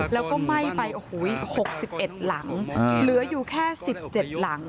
แล้วก็ไหม้ไปโอ้โห๖๑หลังเหลืออยู่แค่๑๗หลัง